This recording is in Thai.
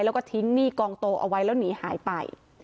แล้วก็ทิ้งหนี้กองโตเอาไว้แล้วหนีหายไป